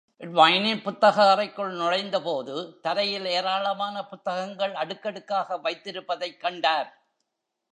ட்வைனின் புத்தக அறைக்குள் நுழைந்தபோது, தரையில் ஏராளமான புத்தகங்கள் அடுக்கடுக்காக வைத்திருப்பதைக் கண்டார்.